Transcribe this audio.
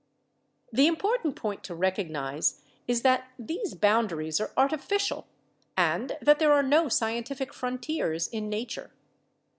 The important point to recognise is that these boundaries are artificial and that there are no scientific frontiers in Nature.